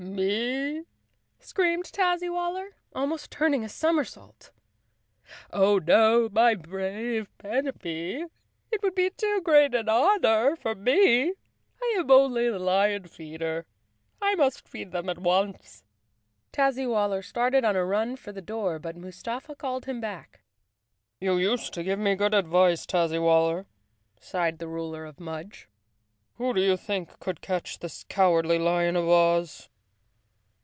"Me!" screamed Tazzywaller, almost turning a som¬ ersault. " Oh, no, my brave Panapee, it would be too great an honor for me. I am only the lion feeder. I must feed them at once! " Tazzywaller started on a run for the door, but Mustafa called him back. "You used to give me good advice, Tazzywaller," sighed the ruler of Mudge. "Who do you think could catch this Cowardly Lion of Oz?"